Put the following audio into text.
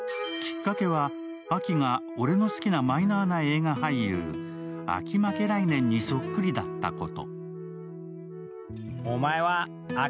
きっかけは、アキが俺の好きなマイナーな映画俳優アキ・マケライネンにそっくりだったこと。